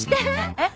えっ？